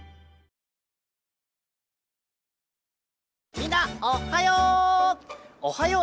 みんなおはよう！